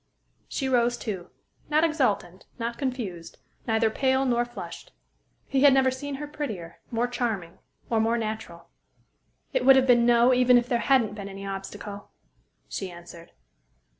She rose, too not exultant, not confused, neither pale nor flushed. He had never seen her prettier, more charming, or more natural. "It would have been 'no,' even if there hadn't been any obstacle," she answered.